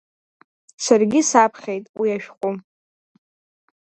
Саргьы саԥхьеит уи ашәҟәы…